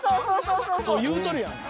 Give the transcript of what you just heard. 言うとるやん